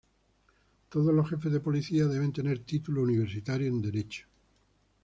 Todos los jefes de policía deben tener título universitario en Derecho.